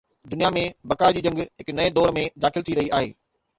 دنيا ۾ بقا جي جنگ هڪ نئين دور ۾ داخل ٿي رهي آهي.